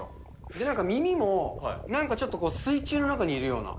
で、なんか耳も、なんかちょっと水中の中にいるような。